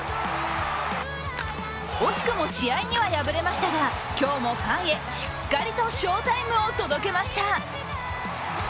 惜しくも試合には敗れましたが今日もファンへしっかりと翔タイムを届けました。